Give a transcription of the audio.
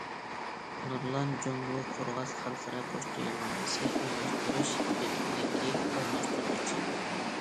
نۇرلان جۇڭگو قورغاس خەلقئارا پوچتا يوللانمىسى ئالماشتۇرۇش بېكىتىدىكى ئالماشتۇرغۇچى.